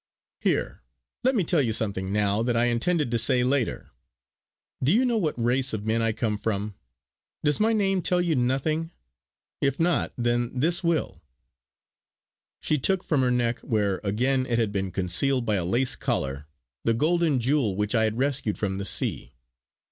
Here! let me tell you something now, that I intended to say later. Do you know what race of men I come from? Does my name tell you nothing? If not, then this will!" She took from her neck, where again it had been concealed by a lace collar, the golden jewel which I had rescued from the sea.